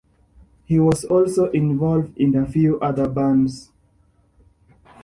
He was also involved in a few other bands.